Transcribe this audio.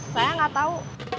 saya gak tahu